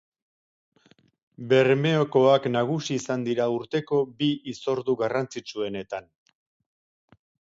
Bermekoak nagusi izan dira urteko bi hitzordu garrantzitsuenetan.